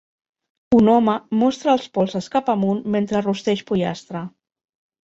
Un home mostra els polzes cap amunt mentre rosteix pollastre.